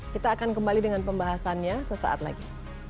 kita akan kembali dengan pembahasannya sesaat lagi